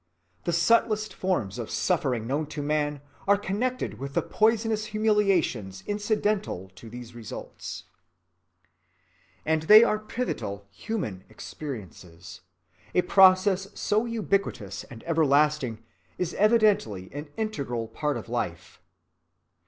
The subtlest forms of suffering known to man are connected with the poisonous humiliations incidental to these results. And they are pivotal human experiences. A process so ubiquitous and everlasting is evidently an integral part of life.